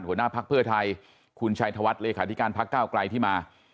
หัวหน้าภักดิ์เพื่อไทยคุณชัยธวัฒน์เลขาธิการพักก้าวไกลที่มา